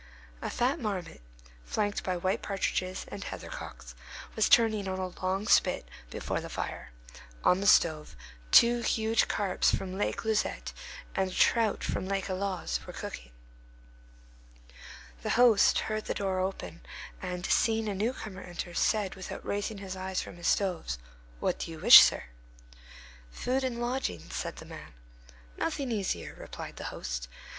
A fat marmot, flanked by white partridges and heather cocks, was turning on a long spit before the fire; on the stove, two huge carps from Lake Lauzet and a trout from Lake Alloz were cooking. The host, hearing the door open and seeing a newcomer enter, said, without raising his eyes from his stoves:— "What do you wish, sir?" "Food and lodging," said the man. "Nothing easier," replied the host.